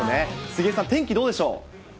杉江さん、天気どうでしょう。